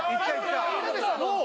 どう？